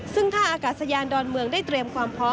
ซึ่งท่าอากาศยานดอนเมืองได้เตรียมความพร้อม